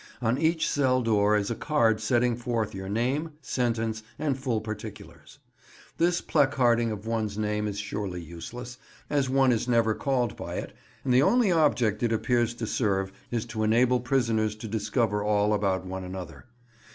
On each cell door is a card setting forth your name, sentence, and full particulars. This placarding of one's name is surely useless, as one is never called by it, and the only object it appears to serve is to enable prisoners to discover all about one another.